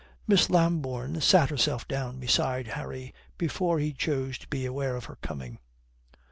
Miss Lambourne sat herself down beside Harry before he chose to be aware of her coming.